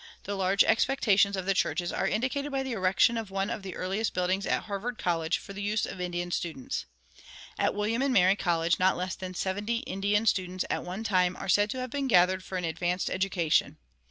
The large expectations of the churches are indicated by the erection of one of the earliest buildings at Harvard College for the use of Indian students. At William and Mary College not less than seventy Indian students at one time are said to have been gathered for an advanced education.